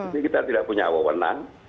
jadi kita tidak punya awal menang